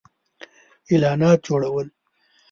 -اعلانات جوړو ل